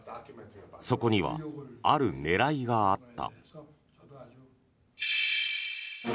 そこには、ある狙いがあった。